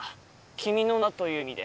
君の名は？という意味で。